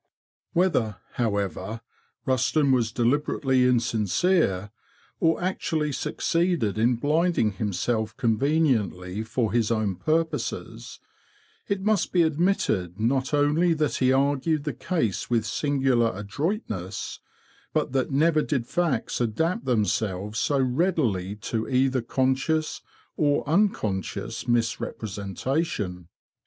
Whether, however, Rusden was deliberately insincere, or actually succeeded in blinding himself THE KING'S BEE MASTER 147 conveniently for his own purposes, it must be admitted not only that he argued the case with singular adroitness, but that never did facts adapt themselves so readily to either conscious or unconscious misrepresentation.